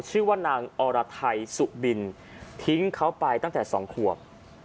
ชื่อว่านางอรไทยสุบินทิ้งเขาไปตั้งแต่๒ขวบ